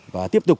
và tiếp tục